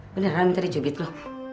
beneran yang tadi jubit lu